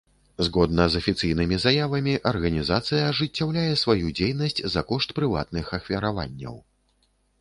Згодна з афіцыйнымі заявамі, арганізацыя ажыццяўляе сваю дзейнасць за кошт прыватных ахвяраванняў.